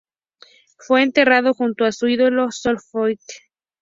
Fue enterrado junto a su ídolo Sol Hoʻopiʻi.